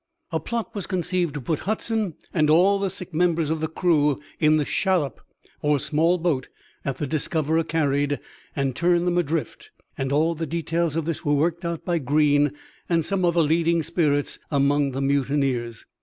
A plot was conceived to put Hudson and all the sick members of the crew in the shallop or small boat that the Discoverer carried and turn them adrift, and all the details of this were worked out by Greene and some other leading spirits among the mutineers.